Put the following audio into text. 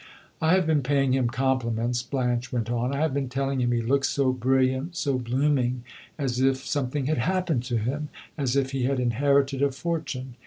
"I have been paying him compliments," Blanche went on. "I have been telling him he looks so brilliant, so blooming as if something had happened to him, as if he had inherited a fortune.